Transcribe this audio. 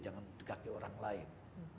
jangan di kaki orang lain